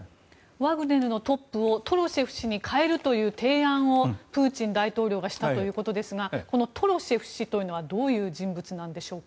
ワグネルのトップをトロシェフ氏に代えるという提案をプーチン大統領がしたということですがこのトロシェフ氏というのはどういう人物なんでしょうか？